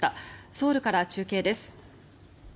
ソウルから中継です。